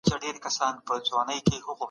نور بیا دا خطر ګڼي.